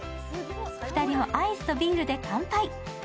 ２人もアイスとビールで乾杯。